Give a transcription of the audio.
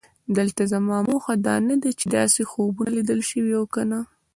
دلته زما موخه دا نه ده چې داسې خوبونه لیدل شوي او که نه.